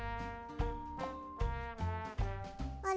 あれ？